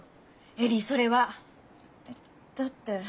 恵里それは。だって。